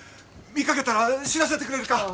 見かけたら知らせてくれるか。